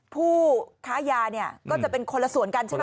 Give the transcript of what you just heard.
ผู้ค้ายาเนี่ยก็จะเป็นคนละส่วนกันใช่ไหม